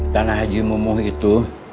tanah haji mumuh itu